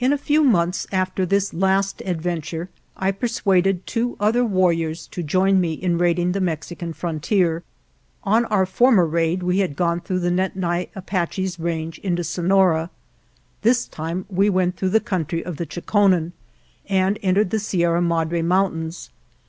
In a few months after this last adventure I persuaded two other warriors to join me in raiding the Mexican frontier. On our for mer raid we had gone through the Nedni Apaches' range into Sonora. This time we went through the country of the Cho kon en and entered the Sierra Madre Mountains.